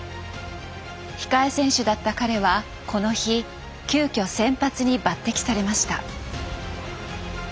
控え選手だった彼はこの日急きょ先発に抜擢されました。